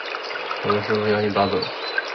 猴哥，师父被妖精抓走了